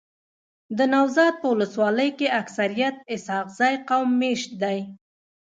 دنوزاد په ولسوالۍ کي اکثريت اسحق زی قوم میشت دی.